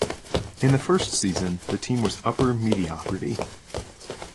In the first season, the team was upper mediocrity.